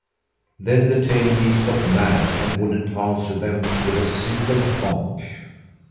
Then the tame geese got mad and wouldn't answer them with a single honk.